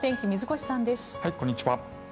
こんにちは。